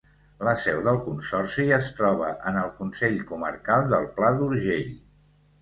La seu del consorci es troba en el Consell Comarcal del Pla d'Urgell.